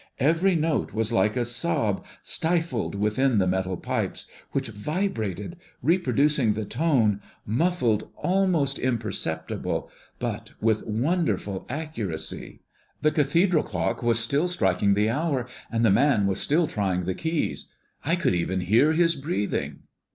Every note was like a sob stifled within the metal pipes, which vibrated, reproducing the tone, muffled, almost imperceptible, but with wonderful accuracy. "The cathedral clock was still striking the hour, and the man was still trying the keys. I could even hear his breathing.